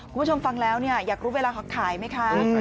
คุณผู้ชมฟังแล้วเนี่ยอยากรู้เวลาเขาขายไหมคะ